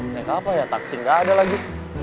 mereka apa ya taksi gak ada lagi